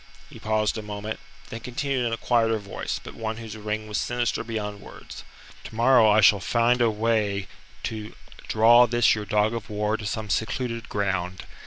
He paused a moment, then continued in a quieter voice, but one whose ring was sinister beyond words: "Tomorrow I shall find a way to draw this your dog of war to some secluded ground.